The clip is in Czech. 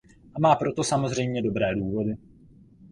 A má proto samozřejmě dobré důvody.